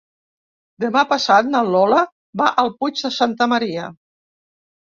Demà passat na Lola va al Puig de Santa Maria.